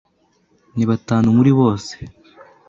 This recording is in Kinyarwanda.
Ni batanu muri bose.